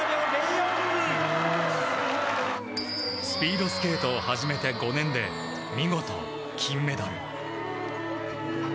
スピードスケートを始めて５年で見事、金メダル。